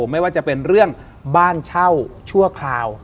ไม่ว่าจะเป็นเรื่องบ้านเช่าชั่วคราว